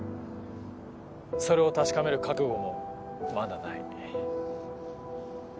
それを確かめる覚悟もまだない。